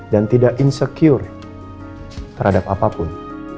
dan tidak insecure terhadap apapun